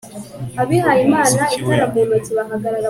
Yumvaga umuziki wenyine